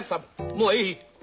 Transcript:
もういい。